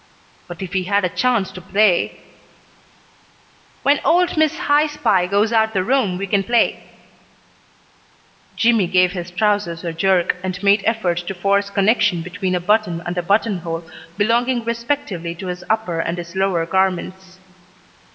But if he had a chance to play "When old Miss High Spy goes out the room we play." Jimmy gave his trousers a jerk and made effort to force connection between a button and a buttonhole belonging respectively to his upper and his lower garments.